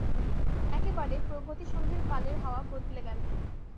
একেবারে প্রগতিসংঘের পালের হাওয়া বদলে গেল।